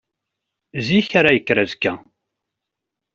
Zik ara yekker azekka.